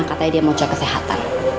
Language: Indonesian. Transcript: katanya dia mau jaga kesehatan